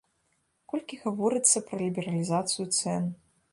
Колькі гаворыцца пра лібералізацыю цэн?